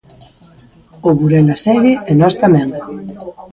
O Burela segue e nós tamén.